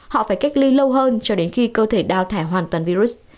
họ phải cách ly lâu hơn cho đến khi cơ thể đào thải hoàn toàn virus